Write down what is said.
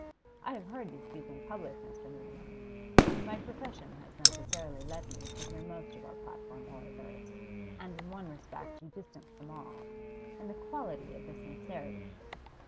I have heard you speak in public, Mr. Mutimer. My profession has necessarily led me to hear most of our platform orators, and in one respect you distance them all in the quality of sincerity.